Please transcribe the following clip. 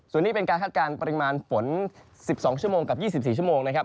ส่วนนี้เป็นการคาดการณ์ปริมาณฝน๑๒ชั่วโมงกับ๒๔ชั่วโมงนะครับ